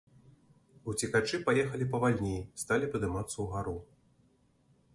Уцекачы паехалі павальней, сталі падымацца ўгару.